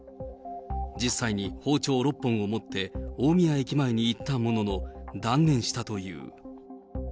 実際に包丁６本を持って、大宮駅前に行ったものの、断念したという。